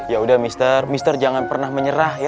ya udah mister mister jangan pernah menyerah ya